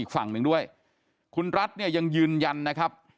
และคุณรัชยังยืนยันนะครับ